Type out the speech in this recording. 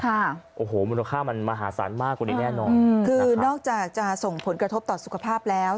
ค่ะโอ้โหมูลค่ามันมหาศาลมากกว่านี้แน่นอนคือนอกจากจะส่งผลกระทบต่อสุขภาพแล้ว